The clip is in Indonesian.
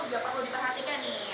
juga perlu diperhatikan nih